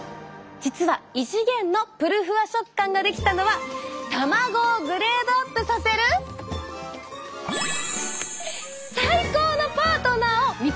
実は異次元のぷるふわ食感ができたのは卵をグレードアップさせる最高のパートナーを見つけたから！